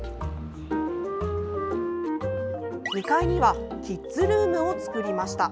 ２階にはキッズルームを作りました。